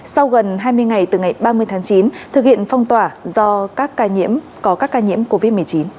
sau gần hai mươi ngày từ ngày ba mươi tháng chín thực hiện phong tỏa do các ca nhiễm có các ca nhiễm covid một mươi chín